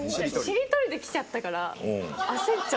「しりとり」で来ちゃったから焦っちゃって。